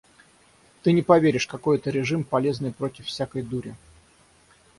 Ты не поверишь, какой это режим полезный против всякой дури.